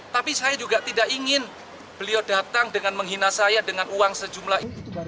tapi saya juga tidak ingin beliau datang dengan menghina saya dengan uang sejumlah ini